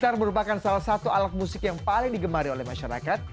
besar merupakan salah satu alat musik yang paling digemari oleh masyarakat